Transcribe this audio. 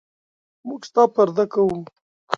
موږ ستا پرده کوو.